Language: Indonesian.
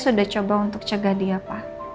saya sudah coba untuk ngecek dia pak